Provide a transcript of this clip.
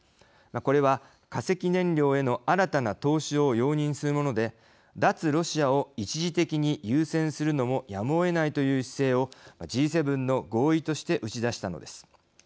これは化石燃料への新たな投資を容認するもので脱ロシアを一時的に優先するのもやむをえないという姿勢をＧ７の合意として打ち出したのです。